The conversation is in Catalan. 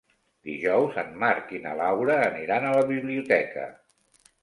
Dijous en Marc i na Laura aniran a la biblioteca.